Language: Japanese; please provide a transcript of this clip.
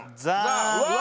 うわ！